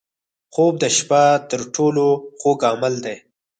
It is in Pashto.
خوب د شپه تر ټولو خوږ عمل دی